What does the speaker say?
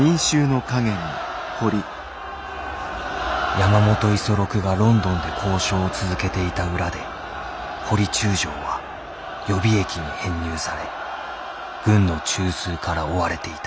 山本五十六がロンドンで交渉を続けていた裏で堀中将は予備役に編入され軍の中枢から追われていた